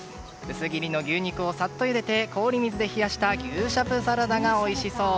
薄切りの牛肉をさっとゆでて氷水で冷やした牛しゃぶサラダがおいしそう。